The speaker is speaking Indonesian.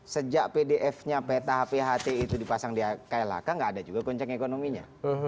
sejak pdf nya peta hp hti itu dipasang di klhk nggak ada juga konceng ekonominya